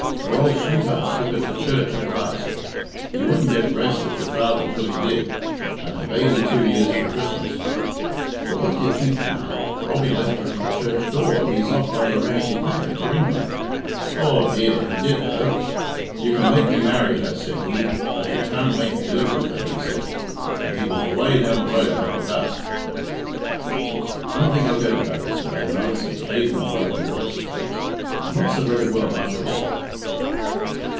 Her old sweetheart took her to church at last. He wouldn't get rest at your father till he did and her baby two years for Christmas. But what d'ye think, now? Robbie left her at the church door, and he's off by the Ramsey packet for England. Aw, dear, he did, though. 'You can make me marry her,' said he, 'but you can't make me live with her,' he said, and he was away down the road like the dust." "I don't think I'll go to Douglas to day, mother," said Kate in a broken voice. "I'm not so very well, after all."